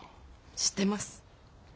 知ってます。